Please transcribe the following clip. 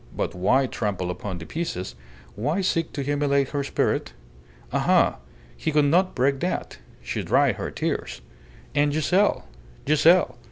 But why trample upon the pieces; why seek to humiliate her spirit? Aha! He could not break that. She dried her tears. And Giselle! Giselle!